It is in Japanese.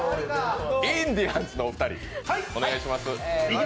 インディアンスのお二人、お願いいたします。